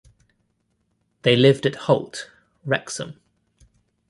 They lived at Holt, Wrexham.